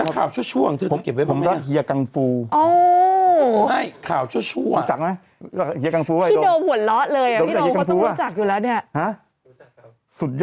แล้วก็ข่าวชั่วคุณต้องเก็บไว้บ้างไหม